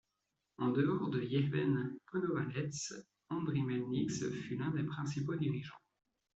En dehors de Yevhen Konovalets, Andry Melnyk fut l'un des principaux dirigeants.